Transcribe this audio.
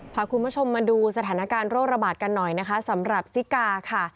พาคุณผู้ชมมาดูสถานการณ์โรคระบาดกันหน่อยนะคะสำหรับซิกาค่ะ